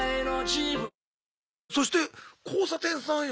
そして交差点さんよ。